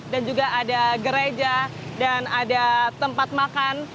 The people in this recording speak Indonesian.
dan juga ada gereja dan ada tempat makan